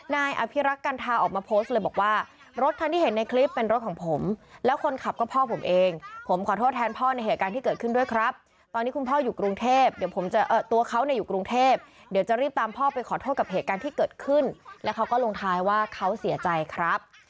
นายอภิรักษ์กันทาออกมาโพสต์เลยบอกว่ารถคันที่เห็นในคลิปเป็นรถของผมแล้วคนขับก็พ่อผมเองผมขอโทษแทนพ่อในเหตุการณ์ที่เกิดขึ้นด้วยครับตอนนี้คุณพ่ออยู่กรุงเทพเดี๋ยวผมจะตัวเขาเนี่ยอยู่กรุงเทพเดี๋ยวจะรีบตามพ่อไปขอโทษกับเหตุการณ์ที่เกิดขึ้นแล้วเขาก็ลงท้ายว่าเขาเสียใจครับ